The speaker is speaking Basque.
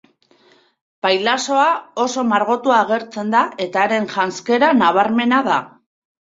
Pailazoa oso margotuta agertzen da eta haren janzkera nabarmena da.